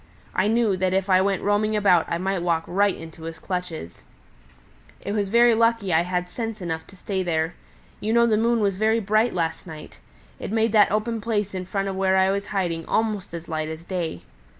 I knew that if I went roaming about I might walk right into his clutches. "It was lucky I had sense enough to stay there. You know the moon was very bright last night. It made that open place in front of where I was hiding almost as light as day.